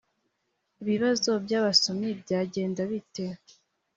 ibibazo by abasomyi byagenda bite